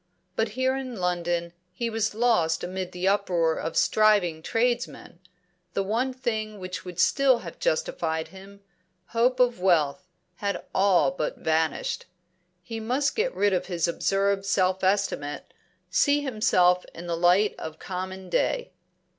But here in London he was lost amid the uproar of striving tradesmen. The one thing which would still have justified him, hope of wealth, had all but vanished. He must get rid of his absurd self estimate, see himself in the light of common day.